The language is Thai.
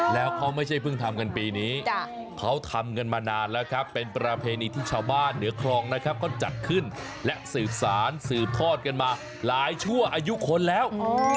แล้วเขาไม่ใช่เพิ่งทำกันปีนี้เขาทำกันมานานแล้วครับเป็นประเพณีที่ชาวบ้านเหนือคลองนะครับเขาจัดขึ้นและสืบสารสืบทอดกันมาหลายชั่วอายุคนแล้ว